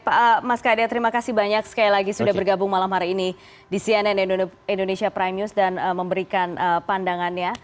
pak mas kadel terima kasih banyak sekali lagi sudah bergabung malam hari ini di cnn indonesia prime news dan memberikan pandangannya